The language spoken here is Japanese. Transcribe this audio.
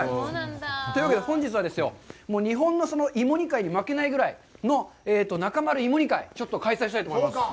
というわけで、本日はですよ、日本の芋煮会に負けないくらいの中丸芋煮会を開催したいと思います。